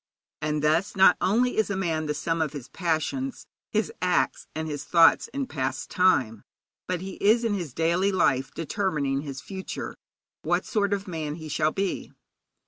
And thus not only is a man the sum of his passions, his acts and his thoughts, in past time, but he is in his daily life determining his future what sort of man he shall be.